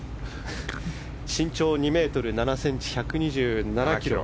身長２ｍ７ｃｍ１２７ｋｇ。